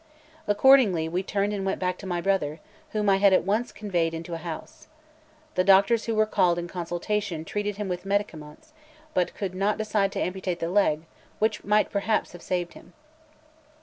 Accordingly, we turned and went back to my brother, whom I had at once conveyed into a house. The doctors who were called in consultation, treated him with medicaments, but could not decide to amputate the leg, which might perhaps have saved him.